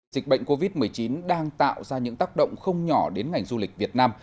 dịch bệnh covid một mươi chín đang tạo ra những tác động không nhỏ đến ngành du lịch việt nam